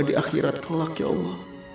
di akhirat kelak ya allah